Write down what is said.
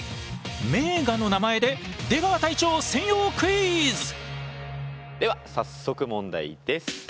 名画の名前で出川隊長専用クイズ！では早速問題です。